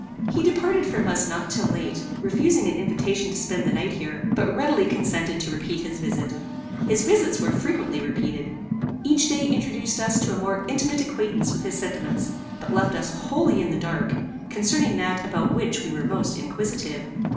He parted from us not till late, refusing an invitation to spend the night here, but readily consented to repeat his visit. His visits were frequently repeated. Each day introduced us to a more intimate acquaintance with his sentiments, but left us wholly in the dark, concerning that about which we were most inquisitive.